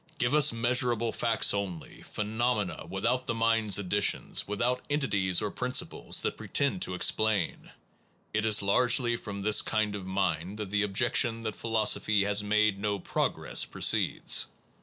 Give us measurable facts only, phenomena, without the mind s additions, without entities or principles that pretend to explain. It is largely from this kind of mind that the objec tion that philosophy has made no progress, proceeds.